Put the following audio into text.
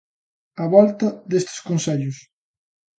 Á volta destes consellos.